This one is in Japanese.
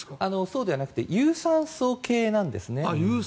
そうではなくて有酸素系なんですね。